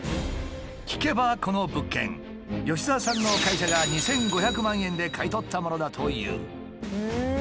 聞けばこの物件吉澤さんの会社が２，５００万円で買い取ったものだという。